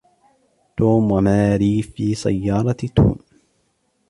توم وماري في سيارة توم.